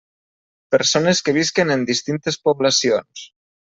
Persones que visquen en distintes poblacions.